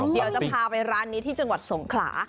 เดี๋ยวจะพาไปร้านนี้ที่จังหวัดสงขลา